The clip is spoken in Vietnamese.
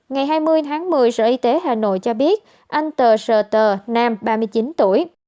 ngày hai mươi tháng một mươi sở y tế hà nội cho biết anh tờ sờ tờ nam ba mươi chín tuổi